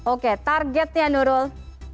oke targetnya nurul